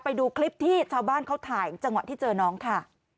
ไปดูคลิปที่ชาวบ้านเขาถ่ายจังหวะที่เจอน้องค่ะ